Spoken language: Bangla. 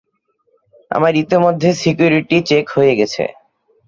আমার ইতোমধ্যে সিকিউরিটি চেক হয়ে গেছে।